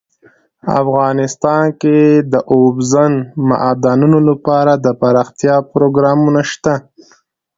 افغانستان کې د اوبزین معدنونه لپاره دپرمختیا پروګرامونه شته.